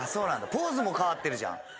ポーズも変わってるじゃん。